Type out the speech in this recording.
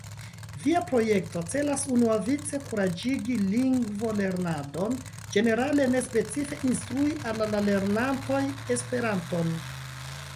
Via projekto celas unuavice kuraĝigi lingvolernadon ĝenerale, ne specife instrui al la lernantoj Esperanton.